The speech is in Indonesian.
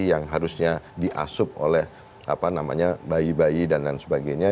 yang harusnya diasup oleh apa namanya bayi bayi dan sebagainya